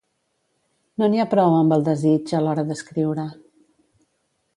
No n'hi ha prou amb el desig, a l'hora d'escriure.